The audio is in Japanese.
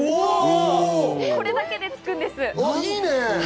これだけでつくんです。